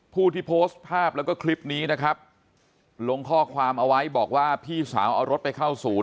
ผู้ที่โพสต์ภาพแล้วก็คลิปนี้นะครับลงข้อความเอาไว้บอกว่าพี่สาวเอารถไปเข้าศูนย์